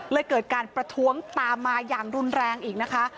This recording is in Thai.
เกิดการประท้วงตามมาอย่างรุนแรงอีกนะคะ